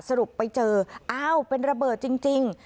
สรุปไปเจออ้าวเป็นระเบิดจริง